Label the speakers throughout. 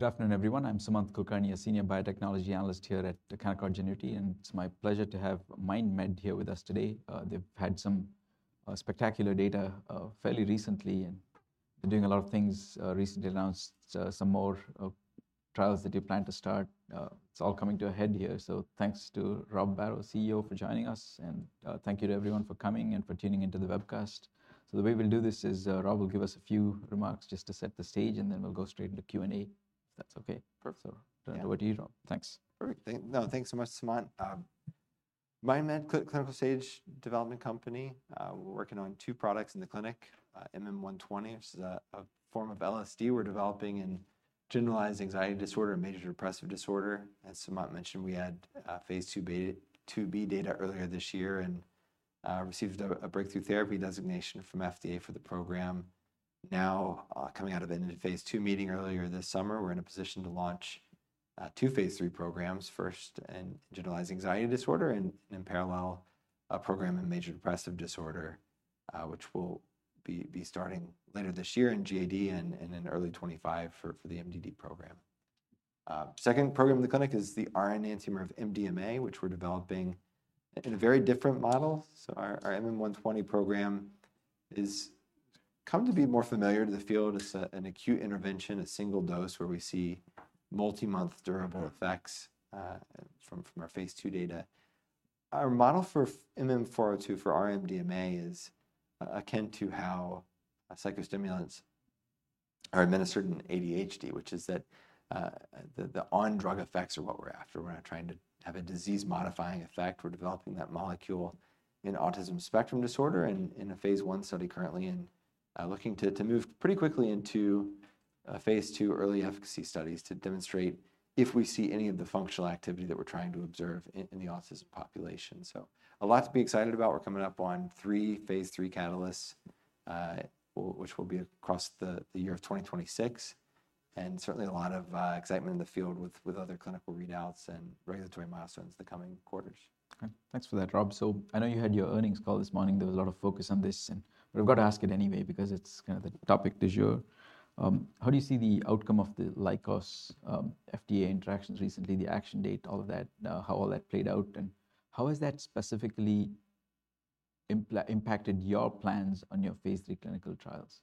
Speaker 1: Good afternoon, everyone. I'm Sumant Kulkarni, a senior biotechnology analyst here at Canaccord Genuity, and it's my pleasure to have MindMed here with us today. They've had some spectacular data fairly recently, and they're doing a lot of things. Recently announced some more trials that they plan to start. It's all coming to a head here, so thanks to Rob Barrow, CEO, for joining us, and thank you to everyone for coming and for tuning into the webcast. So the way we'll do this is, Rob will give us a few remarks just to set the stage, and then we'll go straight into Q&A, if that's okay.
Speaker 2: Perfect.
Speaker 1: Turn it over to you, Rob. Thanks.
Speaker 2: Perfect. Thanks so much, Sumant. MindMed clinical stage development company. We're working on two products in the clinic. MM120, which is a form of LSD we're developing in generalized anxiety disorder and major depressive disorder. As Sumant mentioned, we had phase IIb data earlier this year and received a breakthrough therapy designation from FDA for the program. Now, coming out of a phase II meeting earlier this summer, we're in a position to launch two phase III programs. First, in generalized anxiety disorder and in parallel, a program in major depressive disorder, which will be starting later this year in GAD and in early 2025 for the MDD program. Second program in the clinic is the R-enantiomer of MDMA, which we're developing in a very different model. So our MM120 program is come to be more familiar to the field as an acute intervention, a single dose, where we see multi-month durable effects from our phase II data. Our model for MM402 for R-MDMA is akin to how psychostimulants are administered in ADHD, which is that the on-drug effects are what we're after. We're not trying to have a disease-modifying effect. We're developing that molecule in autism spectrum disorder and in a phase I study currently, and looking to move pretty quickly into phase II early efficacy studies to demonstrate if we see any of the functional activity that we're trying to observe in the autism population. So a lot to be excited about. We're coming up on three phase III catalysts, which will be across the year of 2026, and certainly a lot of excitement in the field with other clinical readouts and regulatory milestones in the coming quarters.
Speaker 1: Okay, thanks for that, Rob. So I know you had your earnings call this morning. There was a lot of focus on this, and we've got to ask it anyway because it's kind of the topic du jour. How do you see the outcome of the Lykos FDA interactions recently, the action date, all of that, how all that played out, and how has that specifically impacted your plans on your Phase III clinical trials?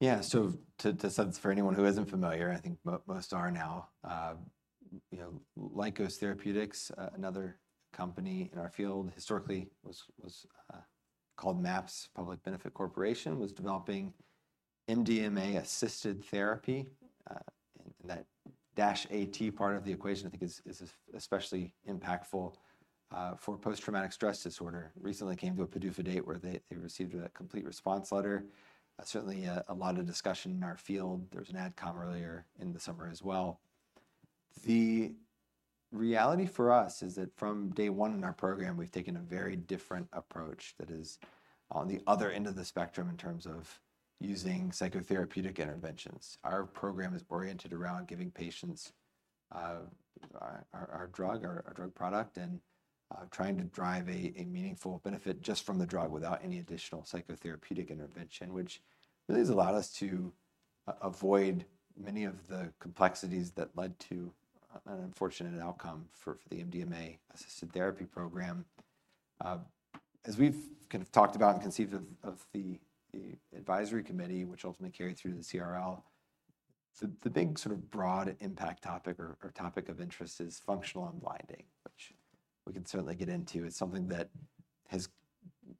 Speaker 2: Yeah. So to set for anyone who isn't familiar, I think most are now, you know, Lykos Therapeutics, another company in our field, historically was called MAPS Public Benefit Corporation, was developing MDMA-assisted therapy. And that dash AT part of the equation, I think is especially impactful, for post-traumatic stress disorder. Recently came to a PDUFA date where they received a complete response letter. Certainly, a lot of discussion in our field. There was an ad com earlier in the summer as well. The reality for us is that from day one in our program, we've taken a very different approach that is on the other end of the spectrum in terms of using psychotherapeutic interventions. Our program is oriented around giving patients our drug product, and trying to drive a meaningful benefit just from the drug without any additional psychotherapeutic intervention, which really has allowed us to avoid many of the complexities that led to an unfortunate outcome for the MDMA-assisted therapy program. As we've kind of talked about and conceived of the advisory committee, which ultimately carried through to the CRL, the big sort of broad impact topic or topic of interest is functional unblinding, which we can certainly get into. It's something that has,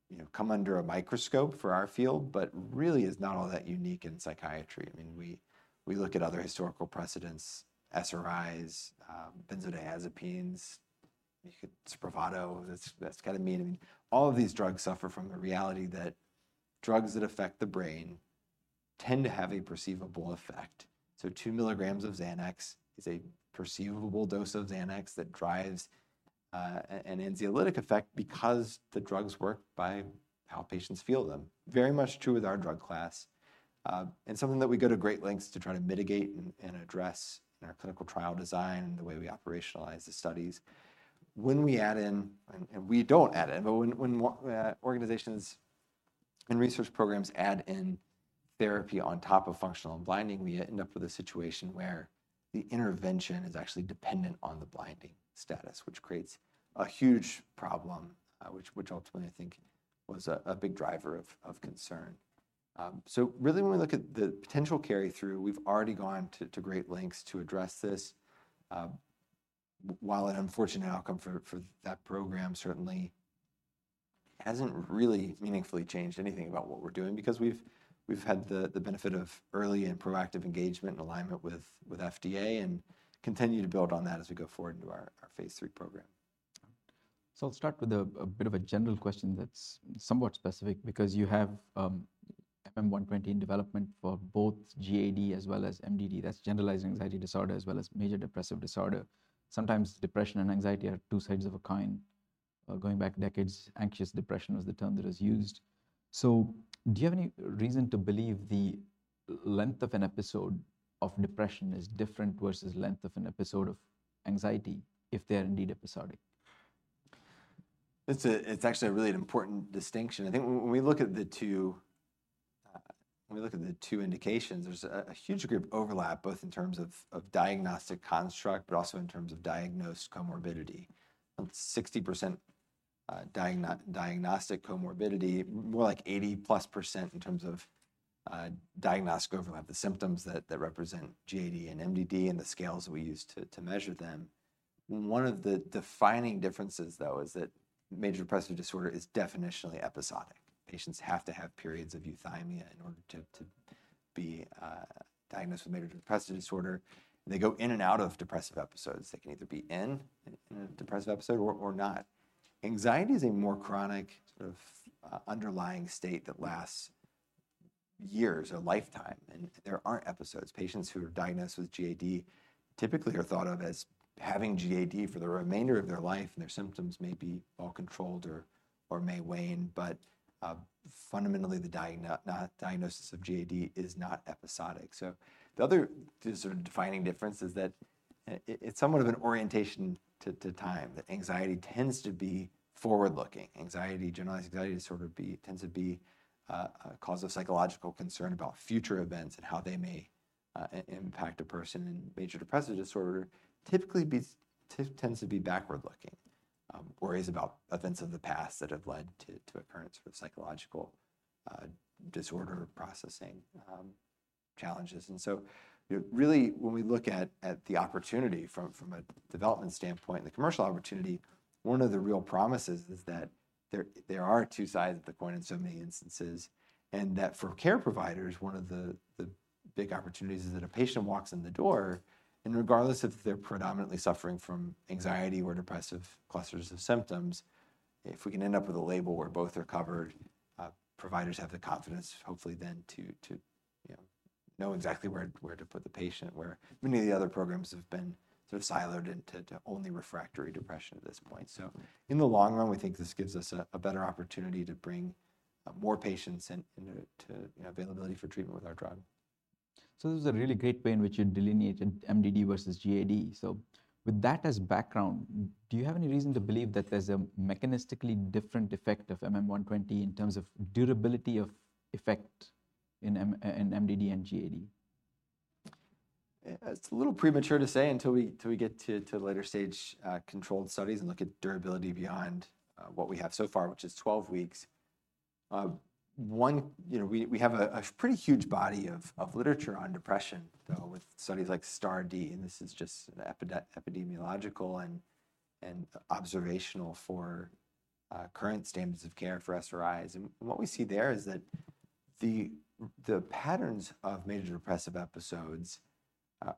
Speaker 2: you know, come under a microscope for our field, but really is not all that unique in psychiatry. I mean, we look at other historical precedents, SRIs, benzodiazepines, you could... Spravato, that's kind of meaning. All of these drugs suffer from the reality that drugs that affect the brain tend to have a perceivable effect. So 2 milligrams of Xanax is a perceivable dose of Xanax that drives an anxiolytic effect because the drugs work by how patients feel them. Very much true with our drug class, and something that we go to great lengths to try to mitigate and address in our clinical trial design and the way we operationalize the studies. We don't add in, but when organizations and research programs add in therapy on top of functional unblinding, we end up with a situation where the intervention is actually dependent on the blinding status, which creates a huge problem, which ultimately I think was a big driver of concern. So really, when we look at the potential carry-through, we've already gone to great lengths to address this. While an unfortunate outcome for that program certainly hasn't really meaningfully changed anything about what we're doing because we've had the benefit of early and proactive engagement and alignment with FDA, and continue to build on that as we go forward into our phase III program.
Speaker 1: So I'll start with a bit of a general question that's somewhat specific, because you have MM120 in development for both GAD as well as MDD. That's generalized anxiety disorder, as well as major depressive disorder. Sometimes depression and anxiety are two sides of a coin. Going back decades, anxious depression was the term that was used. So do you have any reason to believe the length of an episode of depression is different versus length of an episode of anxiety, if they are indeed episodic?...
Speaker 2: It's actually a really important distinction. I think when we look at the two indications, there's a huge degree of overlap, both in terms of diagnostic construct, but also in terms of diagnosed comorbidity. 60% diagnostic comorbidity, more like 80%+ in terms of diagnostic overlap, the symptoms that represent GAD and MDD and the scales that we use to measure them. One of the defining differences, though, is that major depressive disorder is definitionally episodic. Patients have to have periods of euthymia in order to be diagnosed with major depressive disorder. They go in and out of depressive episodes. They can either be in a depressive episode or not. Anxiety is a more chronic sort of underlying state that lasts years or a lifetime, and there aren't episodes. Patients who are diagnosed with GAD typically are thought of as having GAD for the remainder of their life, and their symptoms may be well controlled or may wane, but fundamentally, the diagnosis of GAD is not episodic. So the other sort of defining difference is that it's somewhat of an orientation to time, that anxiety tends to be forward-looking. Anxiety, generalized anxiety disorder, tends to be a cause of psychological concern about future events and how they may impact a person. And major depressive disorder typically tends to be backward-looking, worries about events of the past that have led to occurrence of psychological disorder processing challenges. So really, when we look at the opportunity from a development standpoint and the commercial opportunity, one of the real promises is that there are two sides of the coin in so many instances, and that for care providers, one of the big opportunities is that a patient walks in the door, and regardless if they're predominantly suffering from anxiety or depressive clusters of symptoms, if we can end up with a label where both are covered, providers have the confidence, hopefully then to you know know exactly where to put the patient, where many of the other programs have been sort of siloed into only refractory depression at this point. So in the long run, we think this gives us a better opportunity to bring more patients into availability for treatment with our drug.
Speaker 1: So this is a really great way in which you delineated MDD versus GAD. So with that as background, do you have any reason to believe that there's a mechanistically different effect of MM120 in terms of durability of effect in MDD and GAD?
Speaker 2: It's a little premature to say until we till we get to the later stage controlled studies and look at durability beyond what we have so far, which is 12 weeks. One, you know, we have a pretty huge body of literature on depression, though, with studies like STAR*D, and this is just epidemiological and observational for current standards of care for SRIs. And what we see there is that the patterns of major depressive episodes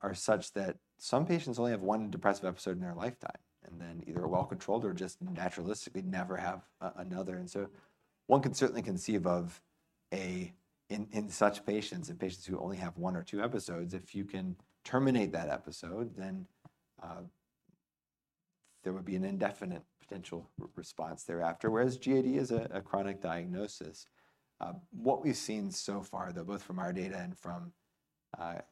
Speaker 2: are such that some patients only have one depressive episode in their lifetime, and then either are well controlled or just naturalistically never have another. And so one can certainly conceive of a... In such patients who only have 1 or 2 episodes, if you can terminate that episode, then there would be an indefinite potential response thereafter, whereas GAD is a chronic diagnosis. What we've seen so far, though, both from our data and from our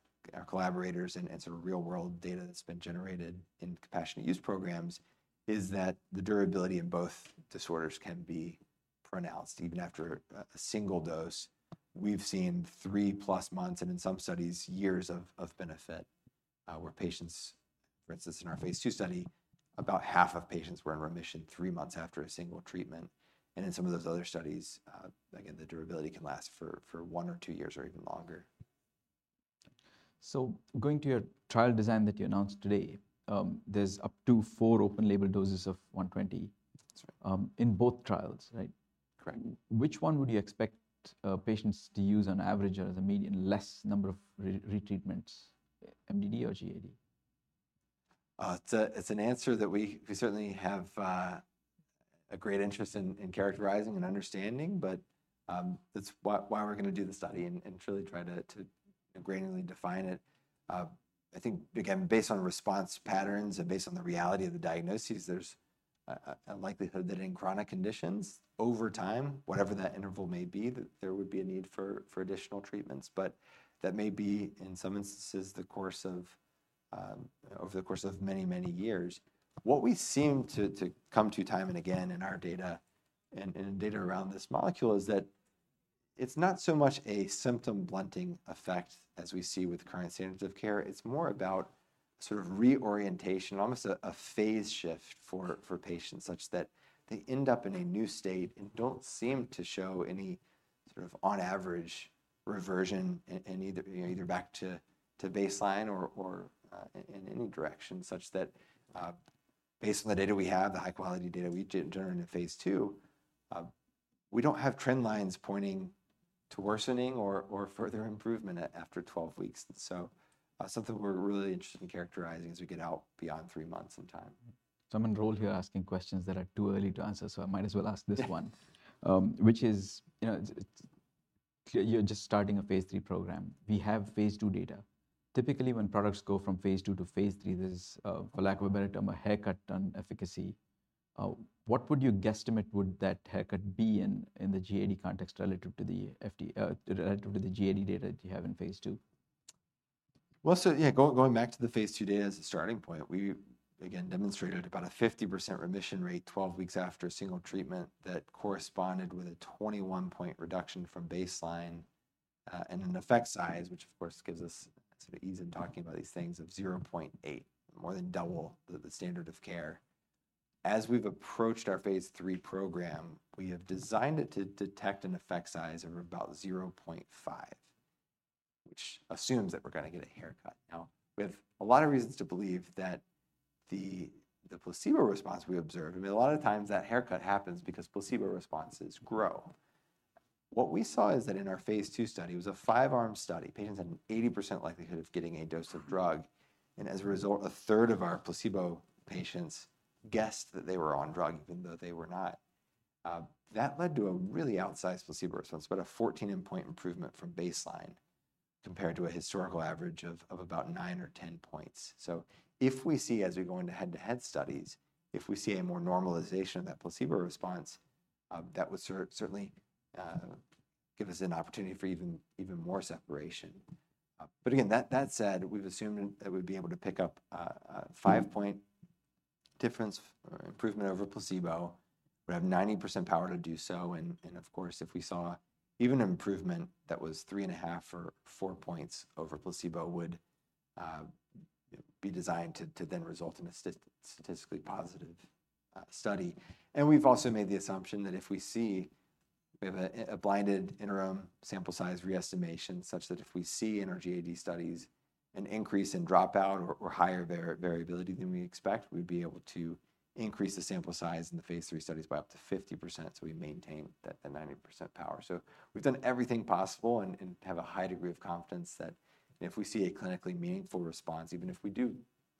Speaker 2: collaborators and sort of real-world data that's been generated in compassionate use programs, is that the durability in both disorders can be pronounced even after a single dose. We've seen 3+ months, and in some studies, years of benefit, where patients, for instance, in our phase II study, about half of patients were in remission 3 months after a single treatment. In some of those other studies, again, the durability can last for 1 or 2 years or even longer.
Speaker 1: So going to your trial design that you announced today, there's up to four open-label doses of 120-
Speaker 2: That's right...
Speaker 1: in both trials, right?
Speaker 2: Correct.
Speaker 1: Which one would you expect, patients to use on average or as a median, less number of re-treatments, MDD or GAD?
Speaker 2: It's an answer that we certainly have a great interest in characterizing and understanding, but that's why we're gonna do the study and truly try to granularly define it. I think, again, based on response patterns and based on the reality of the diagnoses, there's a likelihood that in chronic conditions, over time, whatever that interval may be, that there would be a need for additional treatments, but that may be, in some instances, the course of over the course of many, many years. What we seem to come to time and again in our data and in data around this molecule, is that it's not so much a symptom-blunting effect as we see with current standards of care. It's more about sort of reorientation, almost a phase shift for patients, such that they end up in a new state and don't seem to show any sort of on average reversion in either, you know, either back to baseline or in any direction, such that based on the data we have, the high-quality data we generated in phase II, we don't have trend lines pointing to worsening or further improvement after 12 weeks. So, something we're really interested in characterizing as we get out beyond three months in time.
Speaker 1: So I'm enrolled here asking questions that are too early to answer, so I might as well ask this one, which is, you know, it's, you're just starting a phase III program. We have phase II data. Typically, when products go from phase II to phase III, there's, for lack of a better term, a haircut on efficacy. What would you guesstimate would that haircut be in the GAD context relative to the GAD data that you have in phase II?...
Speaker 2: Well, so yeah, going, going back to the phase II data as a starting point, we again demonstrated about a 50% remission rate 12 weeks after a single treatment that corresponded with a 21-point reduction from baseline, and an effect size, which of course, gives us sort of ease in talking about these things of 0.8, more than double the standard of care. As we've approached our phase III program, we have designed it to detect an effect size of about 0.5, which assumes that we're gonna get a haircut. Now, we have a lot of reasons to believe that the placebo response we observe, I mean, a lot of times that haircut happens because placebo responses grow. What we saw is that in our phase II study, it was a 5-arm study. Patients had an 80% likelihood of getting a dose of drug, and as a result, a third of our placebo patients guessed that they were on drug, even though they were not. That led to a really outsized placebo response, about a 14-point improvement from baseline, compared to a historical average of about 9 or 10 points. So if we see as we go into head-to-head studies, if we see a more normalization of that placebo response, that would certainly give us an opportunity for even more separation. But again, that said, we've assumed that we'd be able to pick up a 5-point difference or improvement over placebo. We have 90% power to do so, and of course, if we saw even an improvement that was 3.5 or 4 points over placebo, would be designed to then result in a statistically positive study. And we've also made the assumption that if we see. We have a blinded interim sample size re-estimation, such that if we see in our GAD studies an increase in dropout or higher variability than we expect, we'd be able to increase the sample size in the phase III studies by up to 50%, so we maintain the 90% power. So we've done everything possible and have a high degree of confidence that if we see a clinically meaningful response, even if we do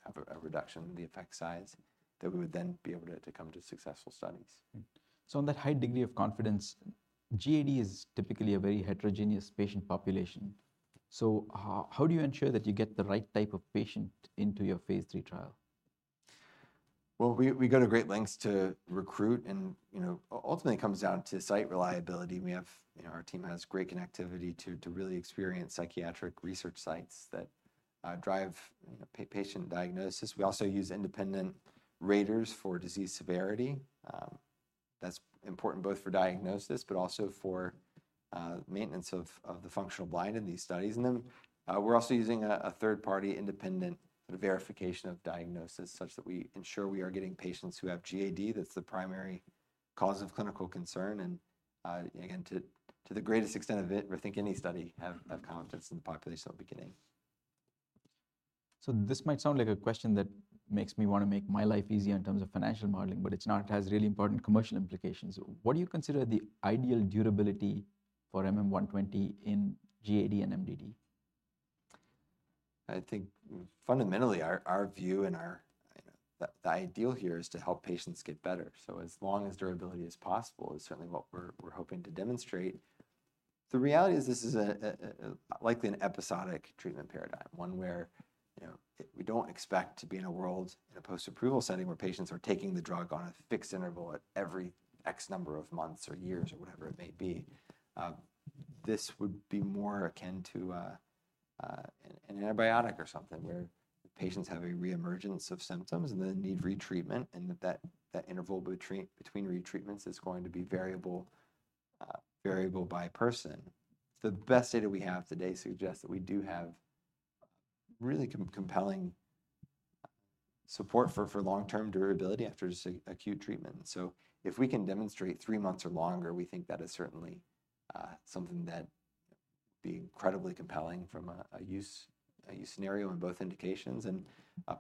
Speaker 2: have a reduction in the effect size, that we would then be able to come to successful studies.
Speaker 1: So on that high degree of confidence, GAD is typically a very heterogeneous patient population. So, how do you ensure that you get the right type of patient into your phase III trial?
Speaker 2: Well, we go to great lengths to recruit, and, you know, ultimately it comes down to site reliability. You know, our team has great connectivity to really experienced psychiatric research sites that drive, you know, patient diagnosis. We also use independent raters for disease severity. That's important both for diagnosis, but also for maintenance of the functional blind in these studies. And then, we're also using a third-party independent verification of diagnosis, such that we ensure we are getting patients who have GAD. That's the primary cause of clinical concern, and again, to the greatest extent of it, I think any study have confidence in the population they'll be getting.
Speaker 1: This might sound like a question that makes me wanna make my life easier in terms of financial modeling, but it's not. It has really important commercial implications. What do you consider the ideal durability for MM120 in GAD and MDD?
Speaker 2: I think fundamentally, our view and our... You know, the ideal here is to help patients get better. So as long as durability is possible, certainly what we're hoping to demonstrate. The reality is, this is likely an episodic treatment paradigm, one where, you know, we don't expect to be in a world in a post-approval setting, where patients are taking the drug on a fixed interval at every X number of months or years or whatever it may be. This would be more akin to an antibiotic or something, where patients have a reemergence of symptoms and then need retreatment, and that interval between retreatments is going to be variable, variable by person. The best data we have today suggests that we do have really compelling support for long-term durability after just an acute treatment. So if we can demonstrate three months or longer, we think that is certainly something that would be incredibly compelling from a use scenario in both indications and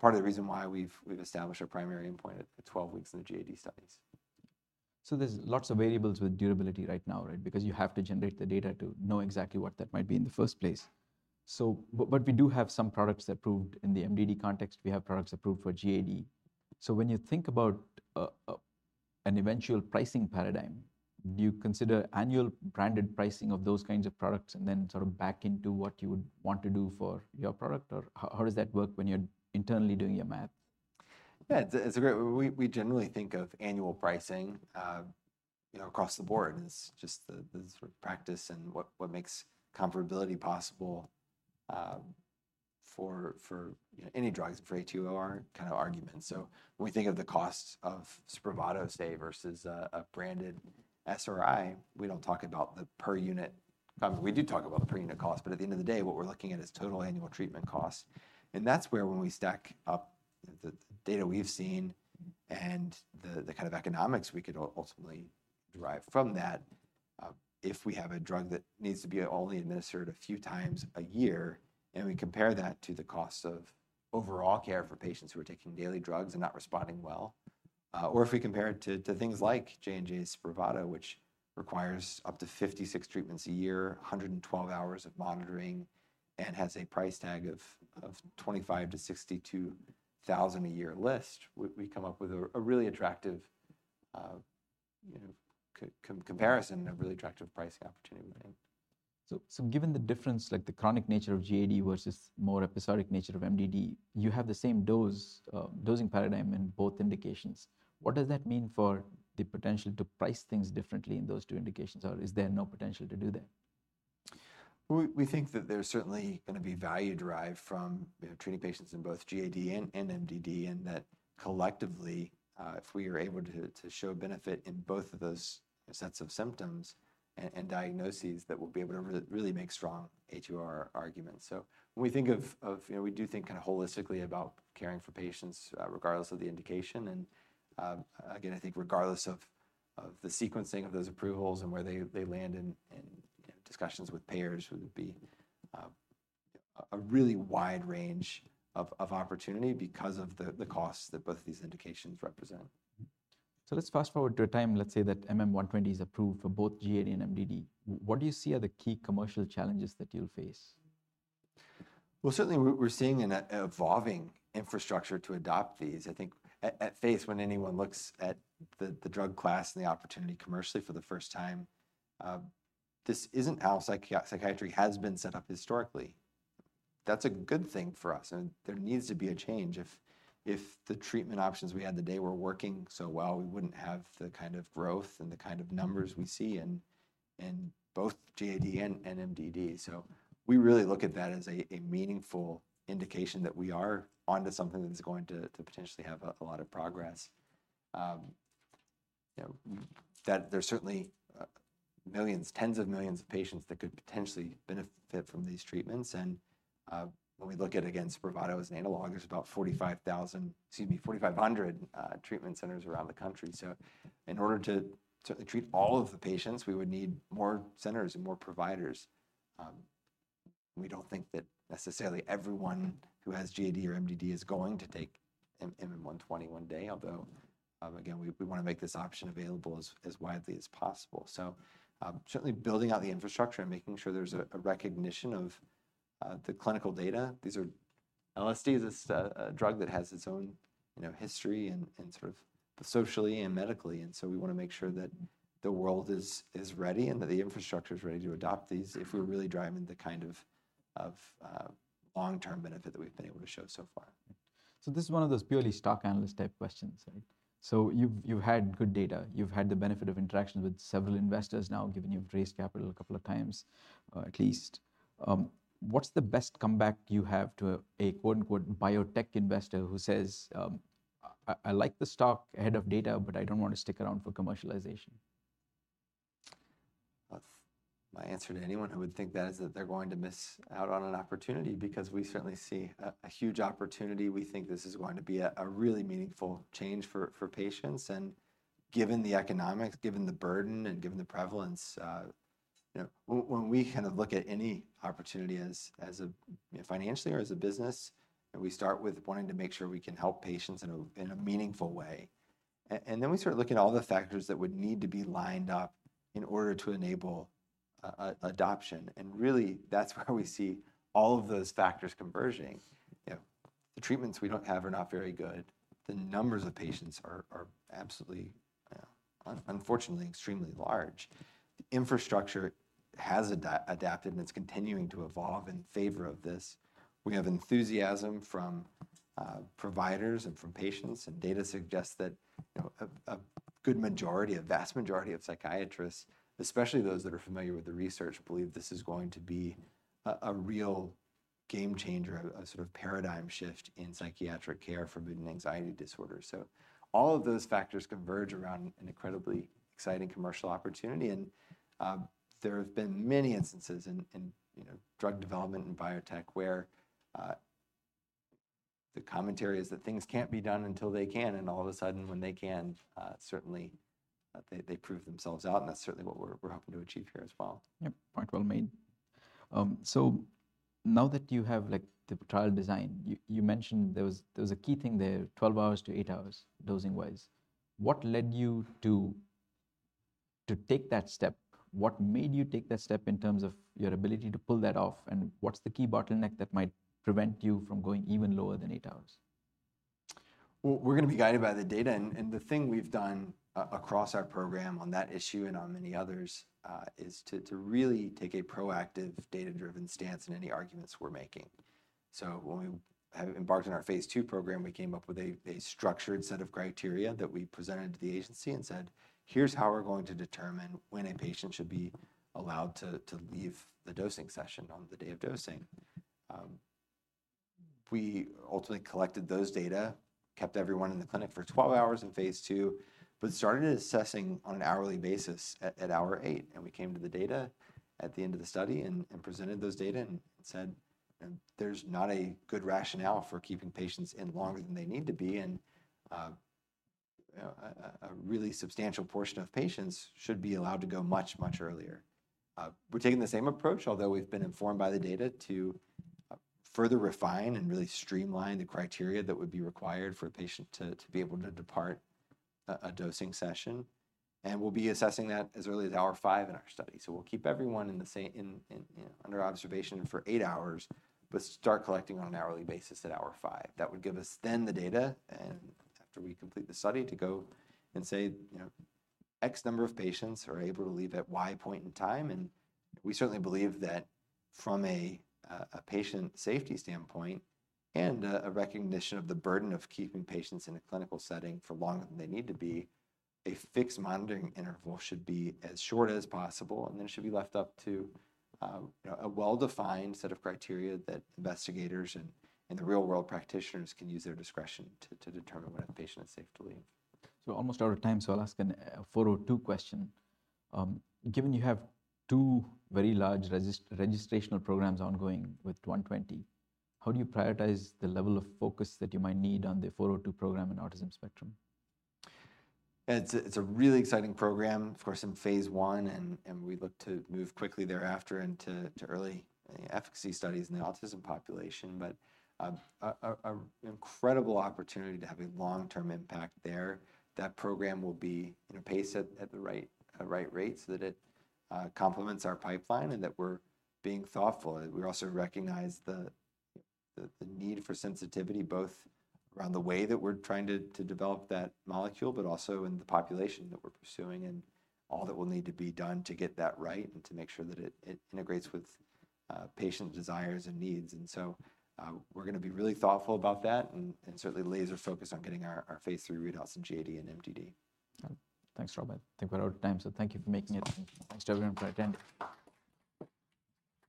Speaker 2: part of the reason why we've established our primary endpoint at 12 weeks in the GAD studies.
Speaker 1: So there's lots of variables with durability right now, right? Because you have to generate the data to know exactly what that might be in the first place. But we do have some products that proved in the MDD context. We have products approved for GAD. So when you think about an eventual pricing paradigm, do you consider annual branded pricing of those kinds of products and then sort of back into what you would want to do for your product? Or how does that work when you're internally doing your math?
Speaker 2: Yeah, it's a great... We generally think of annual pricing, you know, across the board as just the sort of practice and what makes comparability possible, for you know, any drugs for HEOR kind of argument. So when we think of the costs of Spravato, say, versus a branded SRI, we don't talk about the per unit cost. We do talk about the per unit cost, but at the end of the day, what we're looking at is total annual treatment costs. That's where, when we stack up the data we've seen and the kind of economics we could ultimately derive from that, if we have a drug that needs to be only administered a few times a year, and we compare that to the costs of overall care for patients who are taking daily drugs and not responding well, or if we compare it to things like J&J's Spravato, which requires up to 56 treatments a year, 112 hours of monitoring, and has a price tag of $25,000-$62,000 a year list, we come up with a really attractive, you know, comparison and a really attractive pricing opportunity.
Speaker 1: So, given the difference, like the chronic nature of GAD versus more episodic nature of MDD, you have the same dose, dosing paradigm in both indications. What does that mean for the potential to price things differently in those two indications, or is there no potential to do that?
Speaker 2: We think that there's certainly gonna be value derived from, you know, treating patients in both GAD and MDD, and that collectively, if we are able to show benefit in both of those sets of symptoms and diagnoses, that we'll be able to really make strong HEOR arguments. So when we think of, you know, we do think kind of holistically about caring for patients, regardless of the indication. And again, I think regardless of the sequencing of those approvals and where they land in discussions with payers, would be a really wide range of opportunity because of the costs that both of these indications represent.
Speaker 1: Let's fast forward to a time, let's say, that MM120 is approved for both GAD and MDD. What do you see are the key commercial challenges that you'll face?
Speaker 2: Well, certainly, we're seeing an evolving infrastructure to adopt these. I think at face, when anyone looks at the, the drug class and the opportunity commercially for the first time, this isn't how psychiatry has been set up historically. That's a good thing for us, and there needs to be a change. If the treatment options we had today were working so well, we wouldn't have the kind of growth and the kind of numbers we see in both GAD and MDD. So we really look at that as a meaningful indication that we are onto something that is going to potentially have a lot of progress. You know, that there's certainly millions, tens of millions of patients that could potentially benefit from these treatments. When we look at, again, Spravato as an analog, there's about 45,000, excuse me, 4,500 treatment centers around the country. So in order to treat all of the patients, we would need more centers and more providers. We don't think that necessarily everyone who has GAD or MDD is going to take MM120 one day, although, again, we, we wanna make this option available as, as widely as possible. So, certainly building out the infrastructure and making sure there's a, a recognition of, the clinical data. These are... LSD is a drug that has its own, you know, history and sort of socially and medically, and so we wanna make sure that the world is ready and that the infrastructure is ready to adopt these if we're really driving the kind of long-term benefit that we've been able to show so far.
Speaker 1: So this is one of those purely stock analyst type questions, right? So you've had good data, you've had the benefit of interactions with several investors now, given you've raised capital a couple of times, at least. What's the best comeback you have to a quote unquote "biotech investor" who says, "I like the stock ahead of data, but I don't want to stick around for commercialization?
Speaker 2: My answer to anyone who would think that is that they're going to miss out on an opportunity, because we certainly see a huge opportunity. We think this is going to be a really meaningful change for patients, and given the economics, given the burden, and given the prevalence, you know, when we kind of look at any opportunity as financially or as a business, we start with wanting to make sure we can help patients in a meaningful way. And then we start looking at all the factors that would need to be lined up in order to enable adoption. And really, that's where we see all of those factors converging. You know, the treatments we don't have are not very good. The numbers of patients are absolutely, unfortunately, extremely large. The infrastructure has adapted, and it's continuing to evolve in favor of this. We have enthusiasm from providers and from patients, and data suggests that, you know, a good majority, a vast majority of psychiatrists, especially those that are familiar with the research, believe this is going to be a real game changer, a sort of paradigm shift in psychiatric care for mood and anxiety disorders. So all of those factors converge around an incredibly exciting commercial opportunity, and there have been many instances in you know, drug development and biotech where the commentary is that things can't be done until they can, and all of a sudden, when they can, certainly they prove themselves out, and that's certainly what we're hoping to achieve here as well.
Speaker 1: Yep, point well made. So now that you have, like, the trial design, you mentioned there was a key thing there, 12 hours-8 hours, dosing-wise. What led you to take that step? What made you take that step in terms of your ability to pull that off, and what's the key bottleneck that might prevent you from going even lower than 8 hours?
Speaker 2: Well, we're gonna be guided by the data, and the thing we've done across our program on that issue and on many others, is to really take a proactive, data-driven stance in any arguments we're making. So when we have embarked on our phase II program, we came up with a structured set of criteria that we presented to the agency and said, "Here's how we're going to determine when a patient should be allowed to leave the dosing session on the day of dosing." We ultimately collected those data, kept everyone in the clinic for 12 hours in phase II, but started assessing on an hourly basis at hour 8, and we came to the data at the end of the study and presented those data and said, "There's not a good rationale for keeping patients in longer than they need to be, and a really substantial portion of patients should be allowed to go much earlier." We're taking the same approach, although we've been informed by the data to further refine and really streamline the criteria that would be required for a patient to be able to depart a dosing session. We'll be assessing that as early as hour 5 in our study. We'll keep everyone in, you know, under observation for 8 hours, but start collecting on an hourly basis at hour 5. That would give us then the data, and after we complete the study, to go and say, you know, X number of patients are able to leave at Y point in time. We certainly believe that from a patient safety standpoint and a recognition of the burden of keeping patients in a clinical setting for longer than they need to be, a fixed monitoring interval should be as short as possible, and then it should be left up to, you know, a well-defined set of criteria that investigators and the real-world practitioners can use their discretion to determine when a patient is safe to leave.
Speaker 1: So we're almost out of time, so I'll ask a 402 question. Given you have two very large registrational programs ongoing with 120, how do you prioritize the level of focus that you might need on the 402 program in autism spectrum?
Speaker 2: It's a really exciting program, of course, in phase I, and we look to move quickly thereafter into early efficacy studies in the autism population, but an incredible opportunity to have a long-term impact there. That program will be, you know, paced at the right rate, so that it complements our pipeline and that we're being thoughtful. We also recognize the need for sensitivity, both around the way that we're trying to develop that molecule, but also in the population that we're pursuing, and all that will need to be done to get that right and to make sure that it integrates with patient desires and needs. And so, we're gonna be really thoughtful about that, and certainly laser focused on getting our phase III readouts in GAD and MDD.
Speaker 1: Thanks, Robert. I think we're out of time, so thank you for making it. Thanks to everyone for attending.